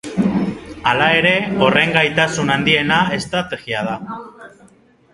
Hala ere, horren gaitasun handiena estrategia da.